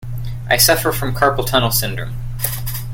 I suffer from carpal tunnel syndrome.